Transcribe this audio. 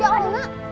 ya allah nak